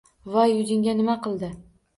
Voy, yuzingizga nima qildi?